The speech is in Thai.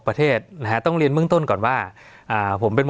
สวัสดีครับทุกผู้ชม